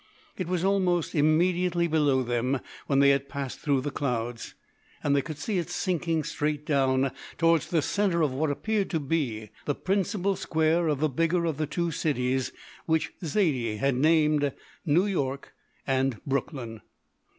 It was almost immediately below them when they had passed through the clouds, and they could see it sinking straight down towards the centre of what appeared to be the principal square of the bigger of the two cities which Zaidie had named New York and Brooklyn.